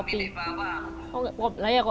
bicara dengan orang orang secara bantuan